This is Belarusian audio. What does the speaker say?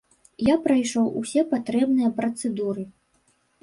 Я прайшоў усе патрэбныя працэдуры.